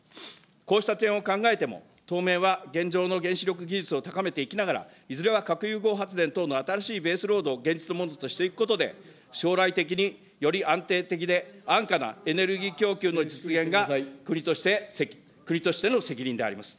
こうした点を考えても、当面は現状の原子力技術を高めていきながら、いずれは核融合発電等の新しいベースロードを現実のものとしていくことで、将来的により安定的で安価なエネルギー供給の実現が、国としての責任であります。